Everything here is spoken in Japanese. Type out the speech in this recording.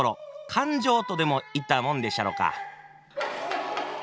「感情」とでもいったもんでっしゃろか。